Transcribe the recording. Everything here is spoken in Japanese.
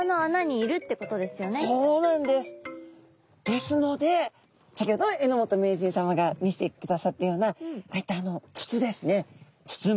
ですので先ほど榎本名人さまが見せてくださったようなこういった筒ですねつ